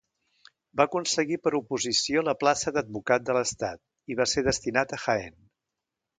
Va aconseguir per oposició la plaça d'advocat de l'Estat, i va ser destinat a Jaén.